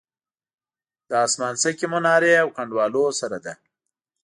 له اسمانڅکې منارې او کنډوالو سره ده.